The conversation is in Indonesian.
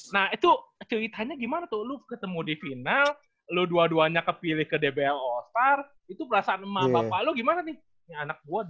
nah itu ceritanya gimana tuh lu ketemu di final lu dua duanya kepilih ke dbl all star itu perasaan emang bapak lu gimana nih